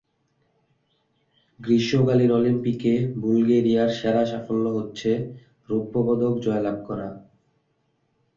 গ্রীষ্মকালীন অলিম্পিকে বুলগেরিয়ার সেরা সাফল্য হচ্ছে রৌপ্য পদক জয়লাভ করা।